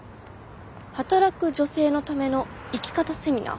働く女性のための生き方セミナー？